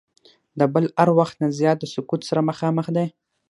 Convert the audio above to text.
د بل هر وخت نه زیات د سقوط سره مخامخ دی.